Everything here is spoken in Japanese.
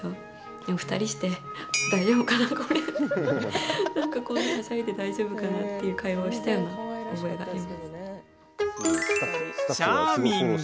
でも２人してなんかこんなはしゃいで大丈夫かなっていう会話したような覚えがあります。